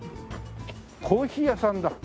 コーヒー屋さんだ。